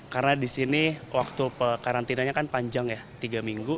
karena di sini waktu karantinanya kan panjang ya tiga minggu